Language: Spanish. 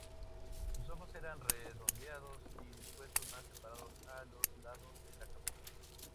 Sus ojos eran redondeados y dispuestos más separados a los lados de la cabeza.